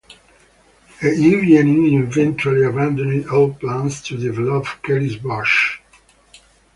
A V Jennings eventually abandoned all plans to develop Kelly's Bush.